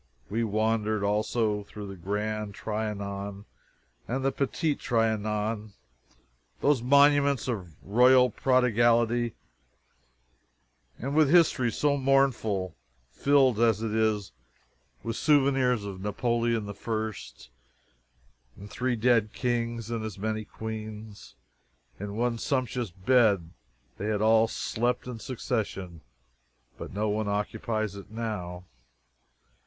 We wandered, also, through the Grand Trianon and the Petit Trianon, those monuments of royal prodigality, and with histories so mournful filled, as it is, with souvenirs of Napoleon the First, and three dead kings and as many queens. In one sumptuous bed they had all slept in succession, but no one occupies it now.